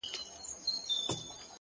هره ورځ د ځان د بیا لیکلو فرصت دی’